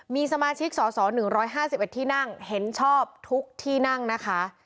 มีสมาชิกสส๑๕๑ที่นั่งเห็นชอบทุกที่นั่งนะคะ